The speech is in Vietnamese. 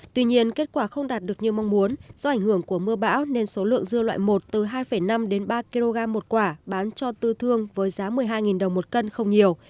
tuy nhiên kết quả không đạt được như mong muốn do ảnh hưởng của mưa bão nên số lượng dưa loại một từ hai năm đến ba kg một quả bán cho tư thương với giá một mươi hai đồng một cân không nhiều